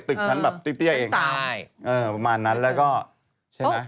ตึกชั้นแบบติ๊บเองครับประมาณนั้นแล้วก็ใช่ไหม